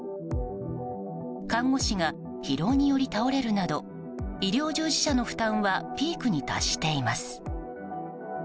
看護師が疲労により倒れるなど医療従事者の負担はピークに達しています。